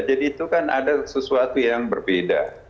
jadi itu kan ada sesuatu yang berbeda